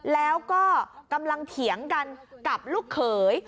แล้วก็กำลังเถียงกันกับลูกเขย